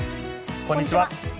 こんにちは。